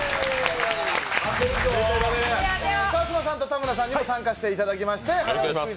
川島さんと田村さんにも参加していただきます。